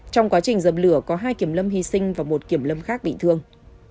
trong quá trình dập lửa có hai kiểm lâm hy sinh và một kiểm lâm khác bị thương